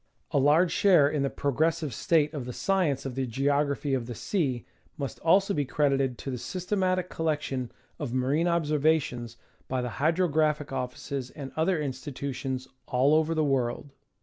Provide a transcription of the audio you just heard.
A large share in the progressive state of the science of the Geography of the Sea must also be credited to the systematic collection of marine observations by the Hydrographic Offices and other institutions all over the world.